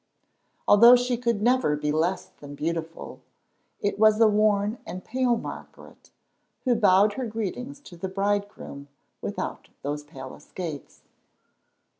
Although she could never be less than beautiful, it was a worn and pale Margaret who bowed her greetings to the bridegroom without those palace gates.